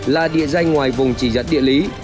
là địa danh ngoài vùng chỉ dẫn địa lý